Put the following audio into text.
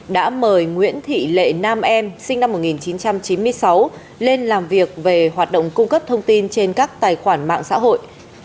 đã mời nguyễn thị lệ nam em sinh năm một nghìn chín trăm chín mươi sáu lên làm việc về hoạt động cung cấp thông tin trên các tài khoản mạng xã hội